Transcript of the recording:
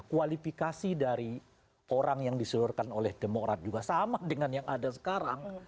kualifikasi dari orang yang diseluruhkan oleh demokrat juga sama dengan yang ada sekarang